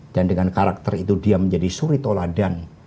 dan dengan karakter itu dia menjadi suri toladan